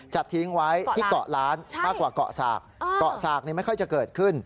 จะทิ้งไว้ที่เกาะล้านมากกว่าเกาะสากเกาะสากไม่ค่อยจะเกิดขึ้น